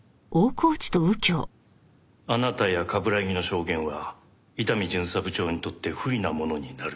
あなたや冠城の証言は伊丹巡査部長にとって不利なものになる。